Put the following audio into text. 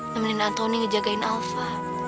temenin antoni ngejagain alva